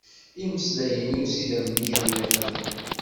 Imeslayen-iw s yidammen-ik uriɣ-ten.